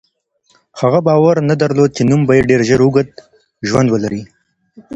هغه باور نه درلود چې نوم به یې ډېر اوږد ژوند ولري.